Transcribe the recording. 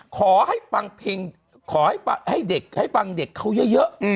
ขอให้ฟังเพลงขอให้เด็กให้ฟังเด็กเขาเยอะ